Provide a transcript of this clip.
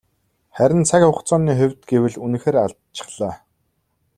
Харин цаг хугацааны хувьд гэвэл үнэхээр алдчихлаа.